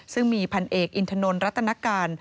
ซึ่งมีพันเอกอินทนนรัตนการ